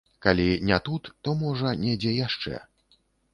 Калі не тут, то можа недзе яшчэ.